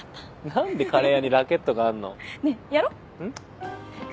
何でカレー屋にラケットがあんの？ねぇやろう？早く。